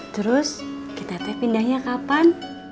terus kita teh pindahnya kapan